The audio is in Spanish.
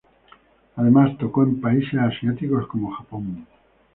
Además, tocó en países asiáticos como Japón.